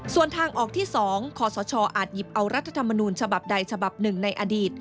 ส่วนทางออกที่๒ขอสชอาจหยิบเอารัฐธรรมนูญฉบับใดฉบับหนึ่งในอดีต